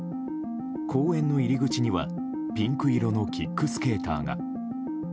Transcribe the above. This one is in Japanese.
公園の入り口にはピンク色のキックスケーターが。